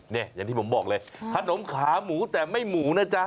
อย่างที่ผมบอกเลยขนมขาหมูแต่ไม่หมูนะจ๊ะ